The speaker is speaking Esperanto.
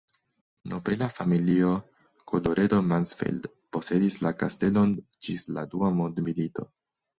Nobela familio Colloredo-Mansfeld posedis la kastelon ĝis la dua mondmilito.